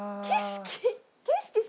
景色。